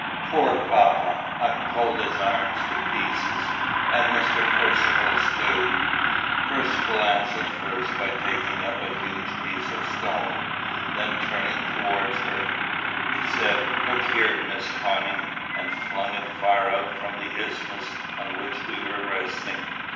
"Poor papa! I've pulled his arms to pieces! and Mr. Percivale's too!" Percivale answered first by taking up a huge piece of stone. Then turning towards her, he said, "Look here, Miss Connie;" and flung it far out from the isthmus on which we were resting.